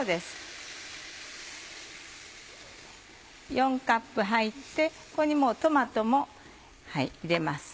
４カップ入ってここにもうトマトも入れます。